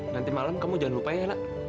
nanti malam kamu jangan lupa ya nak